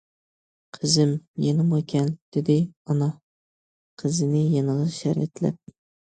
- قىزىم، يېنىمغا كەل، دېدى ئانا قىزىنى يېنىغا شەرەتلەپ.